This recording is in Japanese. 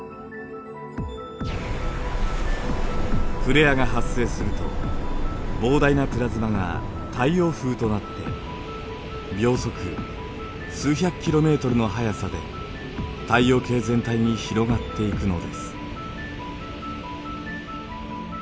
フレアが発生すると膨大なプラズマが太陽風となって秒速数百キロメートルの速さで太陽系全体に広がっていくのです。